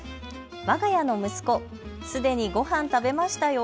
わが家の息子、すでにごはん食べましたよ。